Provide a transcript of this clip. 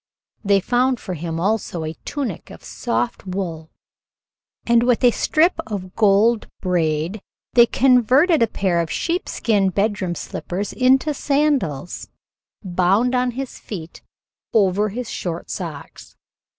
They found for him also a tunic of soft wool, and with a strip of gold braid they converted a pair of sheepskin bedroom slippers into sandals, bound on his feet over his short socks.